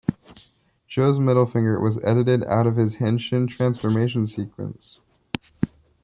Joe's middle finger was edited out in his henshin transformation sequence.